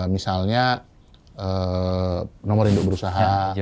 misalnya nomor induk berusaha